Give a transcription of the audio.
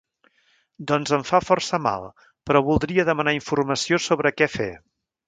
Doncs em fa força mal, però voldria demanar informació sobre què fer.